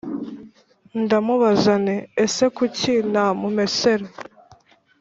ndamubaza nti: ese kuki namumesera